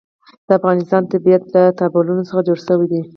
د افغانستان طبیعت له تالابونه څخه جوړ شوی دی.